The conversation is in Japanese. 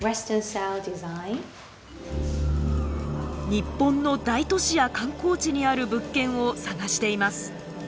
日本の大都市や観光地にある物件を探しています。